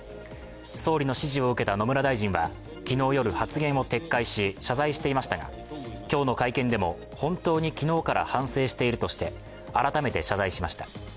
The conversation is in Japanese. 総理の指示を受けた野村大臣は昨日夜、発言を撤回し謝罪していましたが今日の会見でも、本当に昨日から反省しているとして改めて謝罪しました。